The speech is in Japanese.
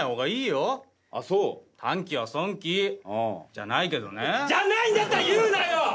じゃないけどね。じゃないんだったら言うなよ。